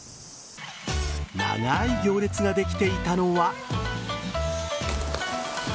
長い行列ができていたのは。